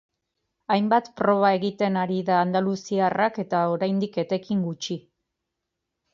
Hainbat probra egiten ari da andaluziarrak eta oraindik etekin gutxi.